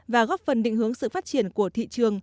và góp phần định hướng sự phát triển của chính phủ